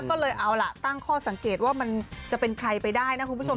ก็เลยเอาล่ะตั้งข้อสังเกตว่ามันจะเป็นใครไปได้นะคุณผู้ชม